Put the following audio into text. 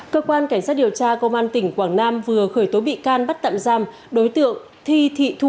cơ quan cảnh sát điều tra công an tỉnh quảng nam vừa khởi tố bị can bắt tạm giam đối tượng thi thị thu